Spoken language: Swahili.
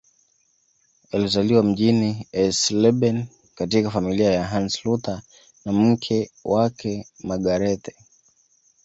Alizaliwa mjini Eisleben katika familia ya Hans Luther na mke wake Margarethe